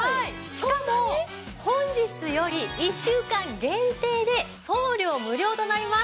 しかも本日より１週間限定で送料無料となります。